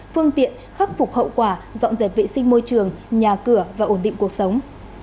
phương tiện khắc phục hậu quả dọn dẹp vệ sinh môi trường nhà cửa và ổn định cuộc sống